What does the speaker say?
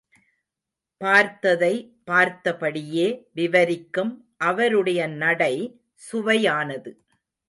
பார்த்ததை பார்த்தபடியே விவரிக்கும் அவருடைய நடை சுவையானது.